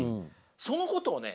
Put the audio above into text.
そのことをね